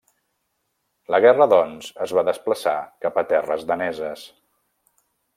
La guerra, doncs, es va desplaçar cap a terres daneses.